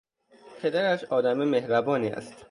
پدرش آدم مهربانی است.